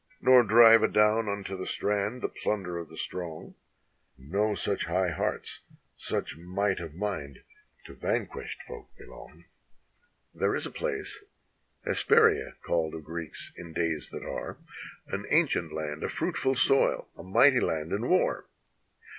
Nor drive adown unto the strand the plunder of the strong: No such high hearts, such might of mind to vanquished folk belong. 271 NORTHERN AFRICA There is a place, Hesperia called of Greeks in days that are, An ancient land, a fruitful soil, a mighty land in war.